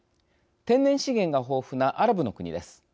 天然資源が豊富なアラブの国です。